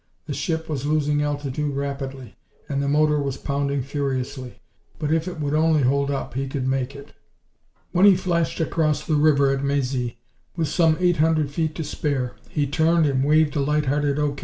The ship was losing altitude rapidly, and the motor was pounding furiously, but if it would only hold up he could make it. When he flashed across the river at Mezy, with some eight hundred feet to spare, he turned and waved a light hearted O.